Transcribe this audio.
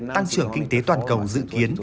tăng trưởng kinh tế toàn cầu dự kiến